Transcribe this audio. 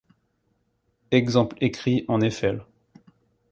Exemple écrit en Eiffel.